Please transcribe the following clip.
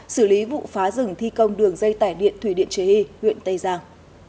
xử lý vụ phá rừng thi công đường dây tải điện thủy điện chế hy huyện tây giang